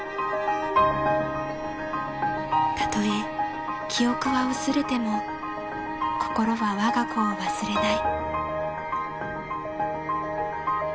［たとえ記憶は薄れても心はわが子を忘れない］